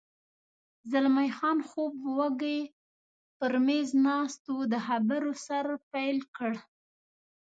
زلمی خان خوب وږی پر مېز ناست و، د خبرو سر پیل کړ.